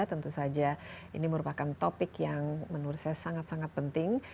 tentu saja ini merupakan topik yang menurut saya sangat sangat penting